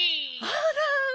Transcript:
あら。